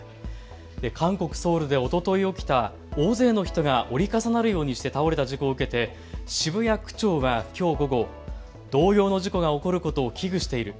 韓国・ソウルでおととい起きた大勢の人が折り重なるようにして倒れた事故を受けて、渋谷区長はきょう午後、同様の事故が起きることを危惧している。